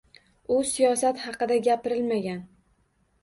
U siyosat haqida gapirilmagan.